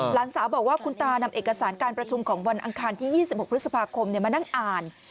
หลานสาวบอกว่าคุณตานำเอกสารการประชุมของวันอังคารที่๒๖พฤษภาคมมานั่งอ่าน